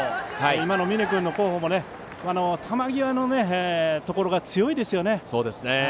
今の峯君の好捕も球際のところが強いですね。